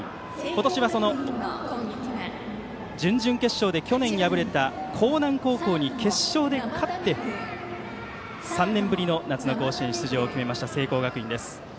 今年は準々決勝で去年敗れた光南高校に決勝で勝って、３年ぶりの夏の甲子園出場を決めました聖光学院です。